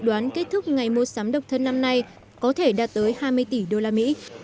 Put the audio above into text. đoán kết thúc ngày mua sắm độc thân năm nay có thể đạt tới hai mươi tỷ usd